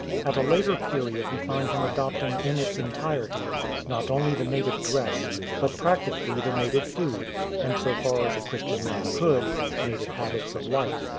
At a later period we find him adopting in its entirety "not only the native dress, but practically the native food, and so far as a Christian man could, native habits of life.'"